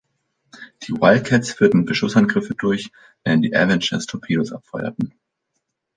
Die Wildcats führten Beschussangriffe durch, während die Avengers Torpedos abfeuerten.